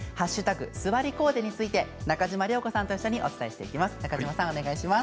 すわりコーデについて中嶋涼子さんと一緒にお伝えします。